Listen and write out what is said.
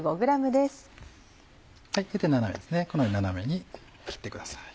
このように斜めに切ってください。